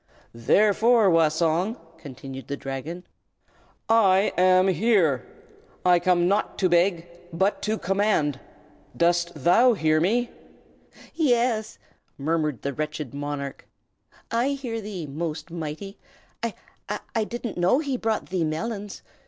"Therefore, Wah Song," continued the Dragon, "I AM HERE! I come not to beg, but to command. Dost thou hear me?" "Ye ye yes!" murmured the wretched monarch. "I hear thee, Most Mighty. I I didn't know he brought thee melons.